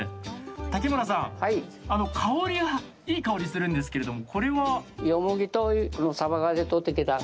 竹村さん、香りはいい香りするんですけどこれは？